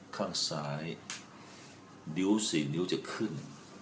ข้างซ้ายนิ้ว๔นิ้วจะขึ้น